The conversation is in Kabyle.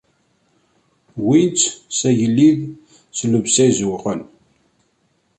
Wwin-tt s agellid s llebsa-s izewwqen.